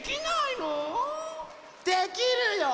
できるよ！